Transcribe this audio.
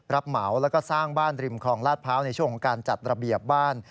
เหมาแล้วก็สร้างบ้านริมคลองลาดพร้าวในช่วงของการจัดระเบียบบ้าน